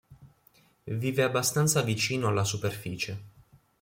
Vive abbastanza vicino alla superficie.